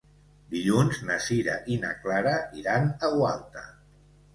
Dilluns na Sira i na Clara iran a Gualta.